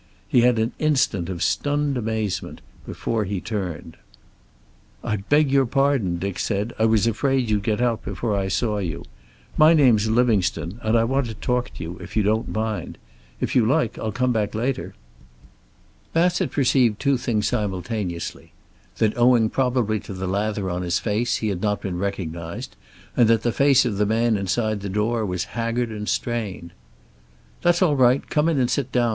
He had an instant of stunned amazement before he turned. "I beg your pardon," Dick said. "I was afraid you'd get out before I saw you. My name's Livingstone, and I want to talk to you, if you don't mind. If you like I'll come back later." Bassett perceived two things simultaneously; that owing probably to the lather on his face he had not been recognized, and that the face of the man inside the door was haggard and strained. "That's all right. Come in and sit down.